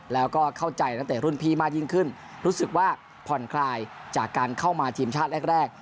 แล้วก็เข้าใจนักเตะรุ่นพี่มากยิ่งขึ้นรู้สึกว่าผ่อนคลายจากการเข้ามาทีมชาติแรก